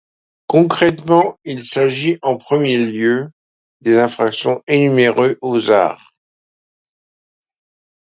Concrètement, il s'agit en premier lieu des infractions énumérées aux art.